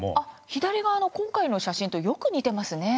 左側の今回の写真とよく似ていますね。